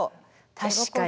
確かに。